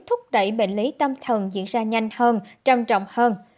thúc đẩy bệnh lý tâm thần diễn ra nhanh hơn trầm trọng hơn